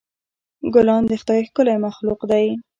ګلان د خدای ښکلی مخلوق دی.